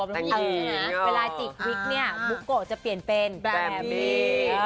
เวลาจีบคลิกเนี่ยปุโกะจะเปลี่ยนเป็นแบมบี้